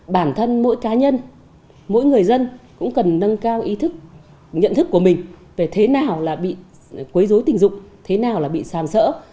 bản thân mỗi cá nhân mỗi người dân cũng cần nâng cao ý thức nhận thức của mình về thế nào là bị quấy dối tình dục thế nào là bị xàm sỡ